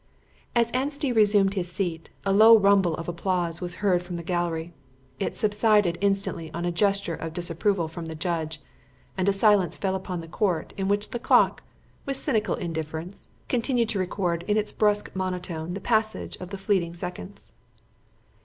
As Anstey resumed his seat, a low rumble of applause was heard from the gallery. It subsided instantly on a gesture of disapproval from the judge, and a silence fell upon the court, in which the clock, with cynical indifference, continued to record in its brusque monotone the passage of the fleeting seconds.